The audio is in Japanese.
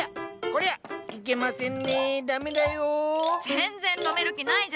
全然止める気ないじゃろ。